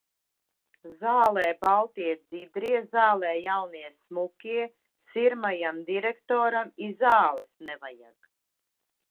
Zālē baltie dzidrie, zālē jaunie smukie, sirmajam direktoram i zāles nevajag.